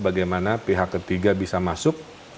bagaimana pihak ketiga bisa masuk